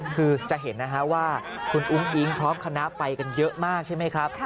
คือจะเห็นนะฮะว่าคุณอุ้งอิ๊งพร้อมคณะไปกันเยอะมากใช่ไหมครับ